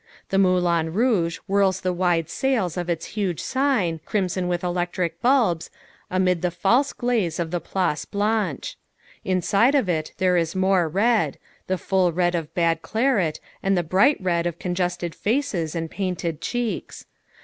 The Moulin Rouge whirls the wide sails of its huge sign, crimson with electric bulbs, amid the false glaze of the Place Blanche. Inside of it there is more red the full red of bad claret and the bright red of congested faces and painted cheeks.